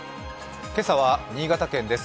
今朝は新潟県です。